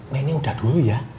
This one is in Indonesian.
mainnya udah dulu ya